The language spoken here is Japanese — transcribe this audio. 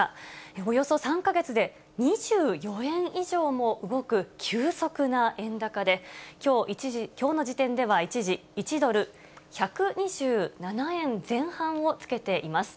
およそ３か月で、２４円以上も動く急速な円高で、きょうの時点では一時１ドル１２７円前半をつけています。